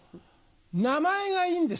名前がいいんです。